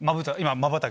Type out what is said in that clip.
まばたき